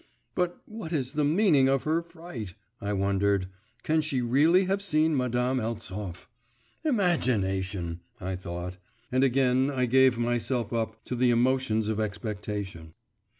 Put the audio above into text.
'But what is the meaning of her fright?' I wondered 'Can she really have seen Madame Eltsov? Imagination!' I thought, and again I gave myself up to the emotions of expectation.